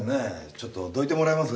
ちょっとどいてもらえます？